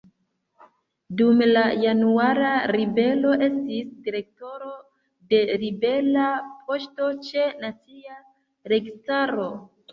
Dum la Januara ribelo estis direktoro de ribela poŝto ĉe Nacia Registaro.